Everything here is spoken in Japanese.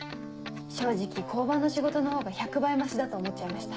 正直交番の仕事のほうが１００倍マシだと思っちゃいました。